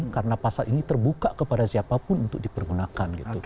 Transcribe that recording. karena pasal ini terbuka kepada siapapun untuk dipergunakan